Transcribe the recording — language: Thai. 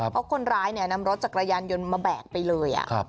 เพราะคนร้ายนำรถจักรยานยนต์มาแบกไปเลย